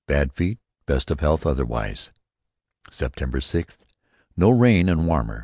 Bad feet. Best of health otherwise." "September sixth: No rain and warmer.